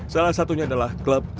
salah satunya adalah